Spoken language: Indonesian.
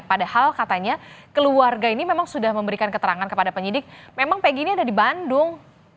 padahal katanya keluarga ini memang sudah memberikan keterangan kepada penyidik memang pegi ini ada di bandung